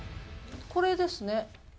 これですね。